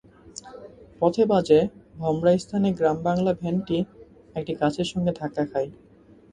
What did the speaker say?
পথে বাজে ভোমরা স্থানে গ্রামবাংলা ভ্যানটি একটি গাছের সঙ্গে ধাক্কা খায়।